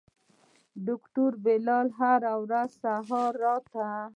ډاکتر بلال هره ورځ سهار راته.